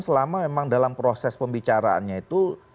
selama memang dalam proses pembicaraannya itu